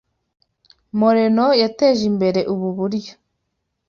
Moreno yateje imbere ubu buryo